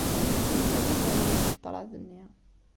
Jeddi yella d aserdas deg ṭṭraḍ-nni.